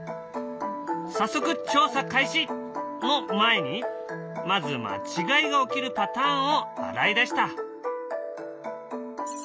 早速調査開始！の前にまず間違いが起きるパターンを洗い出した。